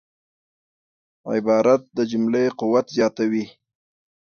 عبارت د جملې قوت زیاتوي.